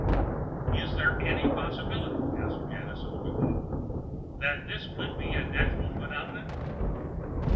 "Is there any possibility," asked Janus, as we walked, "that it could be a natural phenomenon?"